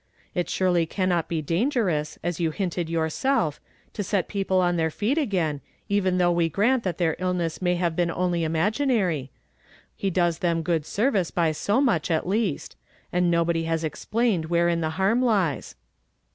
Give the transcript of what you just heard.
It surely cannot be dangerous, as you hinted yourself, to set people on th' ; feet again, even inugh we grant that th( illnes may have been only imaginary. lie does thei go..d service by so much, at least; and nobody hi. oxplaii.cd wherein the harm lies."